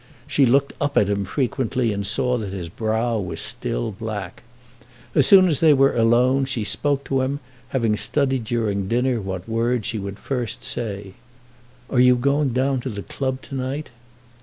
She looked up at him frequently and saw that his brow was still black. As soon as they were alone she spoke to him, having studied during dinner what words she would first say: "Are you going down to the club to night?"